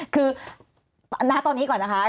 คือณตอนนี้ก่อนนะคะ